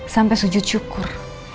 sampai sujud syukur